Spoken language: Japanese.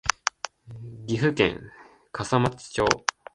岐阜県笠松町